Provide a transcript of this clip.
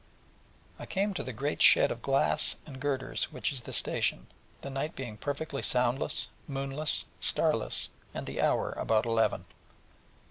I came to the great shed of glass and girders which is the station, the night being perfectly soundless, moonless, starless, and the hour about eleven.